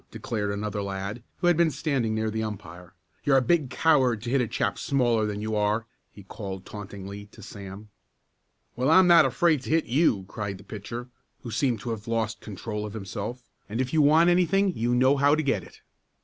declared another lad, who had been standing near the umpire. "You're a big coward to hit a chap smaller than you are!" he called tauntingly to Sam. "Well, I'm not afraid to hit you!" cried the pitcher, who seemed to have lost control of himself. "And if you want anything you know how to get it."